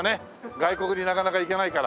外国になかなか行けないから。